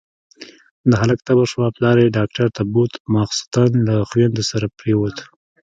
د هلک تبه شوه، پلار يې ډاکټر ته بوت، ماسختن له خويندو سره پرېووت.